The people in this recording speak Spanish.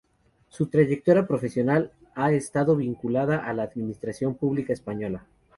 Su trayectoria profesional ha estado vinculada a la Administración Pública española.